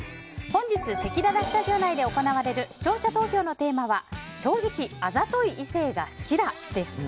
本日せきららスタジオ内で行われる視聴者投票の投稿テーマは正直、あざとい異性が好きだです。